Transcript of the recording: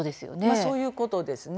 そういうことですね。